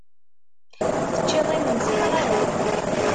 Teččiḍ imensi neɣ ala?